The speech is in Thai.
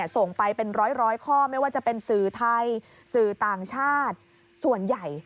ส่งไปเป็นร้อยข้อไม่ว่าจะเป็นสื่อไทยสื่อต่างชาติส่วนใหญ่